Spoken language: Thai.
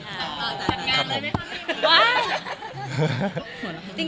จัดการเลยนะครับ